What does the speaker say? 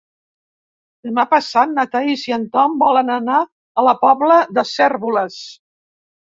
Demà passat na Thaís i en Tom volen anar a la Pobla de Cérvoles.